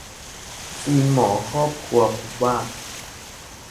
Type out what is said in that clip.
ทีมหมอครอบครัวพบว่า